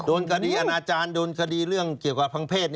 โดนคดีอาณาจารย์โดนคดีเรื่องเกี่ยวกับทางเพศ